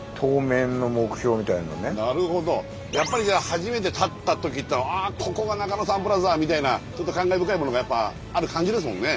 やっぱりじゃあ初めて立った時って「あここが中野サンプラザ」みたいなちょっと感慨深いものがやっぱある感じですもんね。